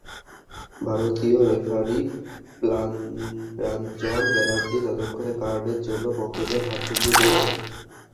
ভারতীয় রেফারি প্রাঞ্জল ব্যানার্জি ততক্ষণে কার্ডের জন্য পকেটে হাত ঢুকিয়ে দিয়েছেন।